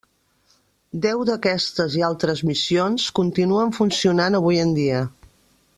Deu d'aquestes i altres missions continuen funcionant avui en dia.